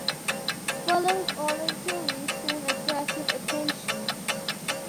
Fuller's oratory soon attracted attention.